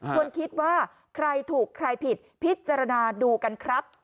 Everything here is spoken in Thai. คิดว่าใครถูกใครผิดพิจารณาดูกันครับ